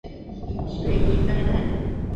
瑞伊盖泰。